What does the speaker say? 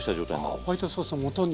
あホワイトソースの素に。